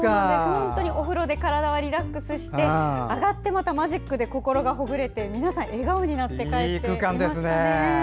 本当にお風呂で体はリラックスして上がって、またマジックで心がほぐれて皆さん笑顔で帰っていかれました。